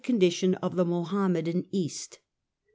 963 condition of the Mohammedan East.